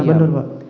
iya benar pak